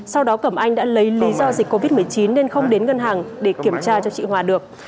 sau đó cẩm anh đã lấy lý do dịch covid một mươi chín nên không đến ngân hàng để kiểm tra cho chị hòa được